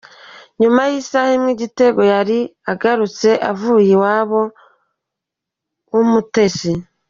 Nyuma y’ isaha imwe Igitego yari agarutse avuye iwabo w’Umutesi .